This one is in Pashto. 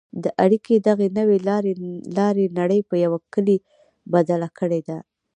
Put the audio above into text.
د اړیکو دغې نوې لارې نړۍ په یوه کلي بدله کړې ده.